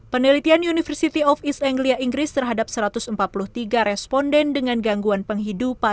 penelitian university of east anglia inggris terhadap satu ratus empat puluh tiga responden dengan gangguan penghidupan